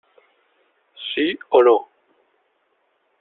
Sí o no.